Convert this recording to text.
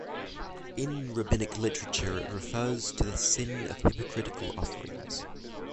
In rabbinic literature it refers to the sin of hypocritical offerings.